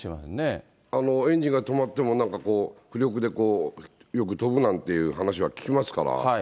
エンジンが止まっても、なんかこう、浮力でよく飛ぶなんという話は聞きますから。